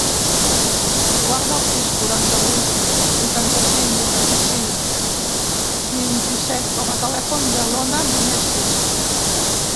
Guarda el sis, quaranta-vuit, vuitanta-cinc, vuitanta-cinc, vint-i-set com a telèfon de l'Ona Meneses.